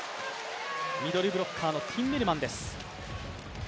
ミドルブロッカーのティンメルマンです。